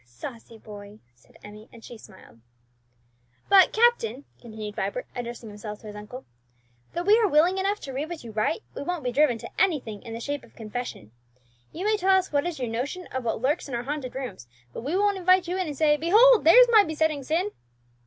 "Saucy boy!" said Emmie, and she smiled. "But, captain," continued Vibert, addressing himself to his uncle, "though we are willing enough to read what you write, we won't be driven to anything in the shape of confession. You may tell us what is your notion of what lurks in our haunted rooms, but we won't invite you in and say, 'Behold there's my besetting sin!'"